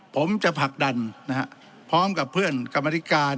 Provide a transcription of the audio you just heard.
ผมจะผลักดันพร้อมกับเพื่อนกรรมธิการ